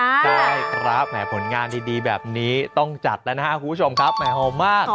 ใช่ครับแหมผลงานดีแบบนี้ต้องจัดแล้วนะครับคุณผู้ชมครับแหมหอมมาก